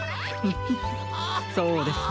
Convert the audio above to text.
フフフッそうですね。